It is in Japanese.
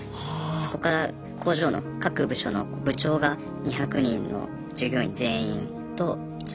そこから工場の各部署の部長が２００人の従業員全員と１対１の個別に面談を行います。